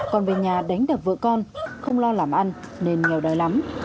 còn về nhà đánh đập vợ con không lo làm ăn nên nghèo đòi lắm